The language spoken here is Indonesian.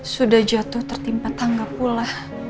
sudah jatuh tertimpa tangga pula